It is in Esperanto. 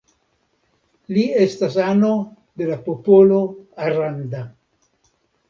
Li estas ano de la popolo Aranda.